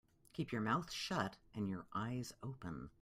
Keep your mouth shut and your eyes open.